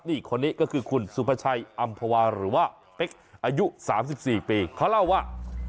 นี่คนนี้ก็คือคุณสุภาชัยอำภาวาหรือว่าเป๊กอายุ๓๔ปีเขาเล่าว่า